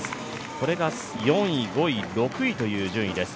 これが４位、５位、６位という順位です。